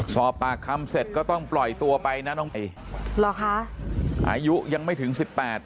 สอบปากคำเสร็จก็ต้องปล่อยตัวไปนะน้องเอหรอคะอายุยังไม่ถึงสิบแปด